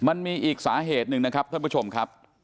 มันมีอีกสาเหตุหนึ่งนะครับท่านผู้ชมครับ